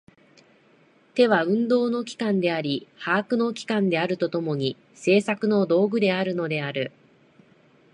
手は運動の機関であり把握の機関であると共に、製作の道具であるのである。